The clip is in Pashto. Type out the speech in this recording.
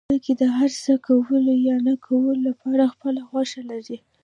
بلکې د هر څه کولو يا نه کولو لپاره خپله خوښه لري.